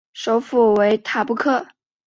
首府为塔布克。